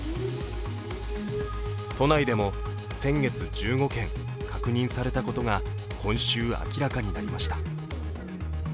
都内でも先月１５件確認されたことが今週、明らかになりました。